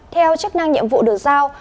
theo chức năng nhiệm vụ được giao